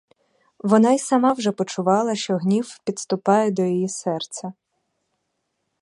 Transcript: Вона й сама вже почувала, що гнів підступає до її серця.